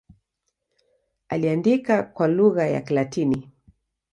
Aliandika kwa lugha ya Kilatini.